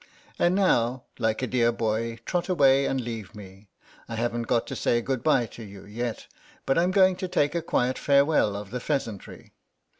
And now, like a dear boy, trot away and leave me. I haven't got to say good bye to you yet, but I'm going to take a quiet farewell of the Pheasantry.